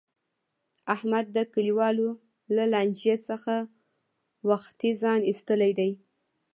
احمد د کلیوالو له لانجې څخه وختي ځان ایستلی دی.